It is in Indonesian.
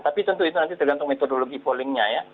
tapi tentu itu nanti tergantung metodologi pollingnya ya